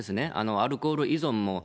アルコール依存も。